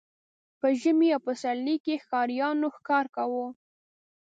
په ژمي او پسرلي کې ښکاریانو ښکار کاوه.